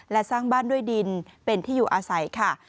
และสร้างบ้านด้วยดินเป็นที่อยู่อาศัยค่ะ